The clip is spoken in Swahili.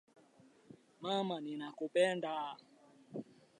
Mama ninakupenda.